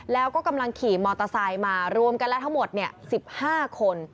แล้วก็กำลังขี่มอเตอร์ไซค์มารวมกันแล้วทั้งหมด๑๕คน